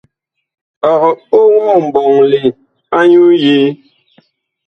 Ɔg oŋoo mɓɔŋle anyuu yee ?